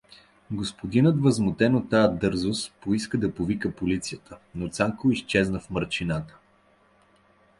Господинът, възмутен от тая дързост, поиска да повика полицията, но Цанко изчезна в мрачината.